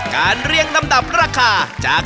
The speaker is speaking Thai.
การเรียงลำดับราคา